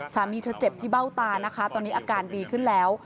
สามีเธอเจ็บที่เบ้าตานะคะตอนนี้อาการดีขึ้นแล้ว